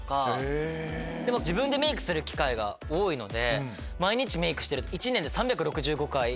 自分でメイクする機会が多いので。